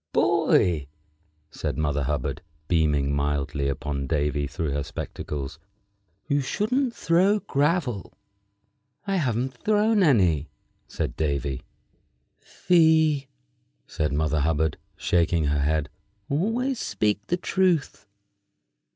"Boy," said Mother Hubbard, beaming mildly upon Davy through her spectacles, "you shouldn't throw gravel." "I haven't thrown any," said Davy. "Fie!" said Mother Hubbard, shaking her head; "always speak the truth."